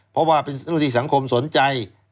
เพราะว่านวัติสังคมสนใจ